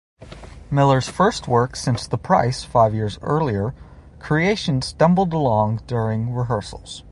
Miller's first work since "The Price" five years earlier, "Creation" stumbled along during rehearsals.